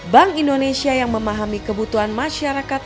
bank indonesia yang memahami kebutuhan masyarakat